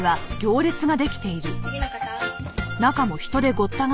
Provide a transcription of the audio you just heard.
次の方。